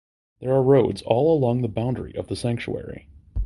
There are roads all along the boundary of the sanctuary.